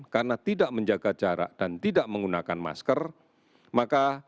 yang mudah materi dan pensionalisasi nimmtu